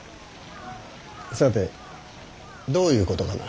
さてどういうことかな。